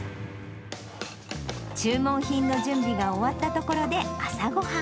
注文品の準備が終わったところで朝ごはん。